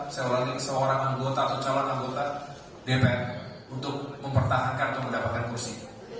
saya ulangi seorang anggota atau calon anggota dpr untuk mempertahankan atau mendapatkan kursi